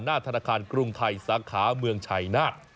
หน้าธนาคารกรุงไทยสาขาเมืองชัยนาธ